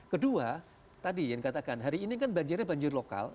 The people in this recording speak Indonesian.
kedua tadi yang dikatakan hari ini kan banjirnya banjir lokal